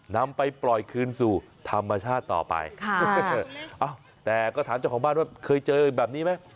นำไปปล่อยคืนสู่ธรรมชาติต่อไปแต่ก็ถามเจ้าของบ้านว่าเคยเจอแบบนี้ไหม